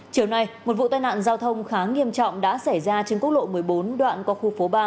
chiều nay một vụ tai nạn giao thông khá nghiêm trọng đã xảy ra trên quốc lộ một mươi bốn đoạn qua khu phố ba